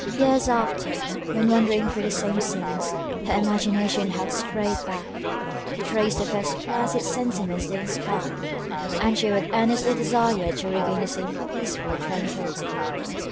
Years after, when wandering through the same scenes, her imagination has strayed back, to trace the first placid sentiments they inspired, and she would earnestly desire to regain the same peaceful tranquillity.